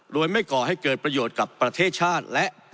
โดยไม่ก่อให้เกิดประโยชน์กับประเทศชาติและ